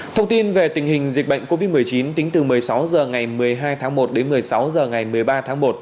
thông tin về tình hình dịch bệnh covid một mươi chín tính từ một mươi sáu h ngày một mươi hai tháng một đến một mươi sáu h ngày một mươi ba tháng một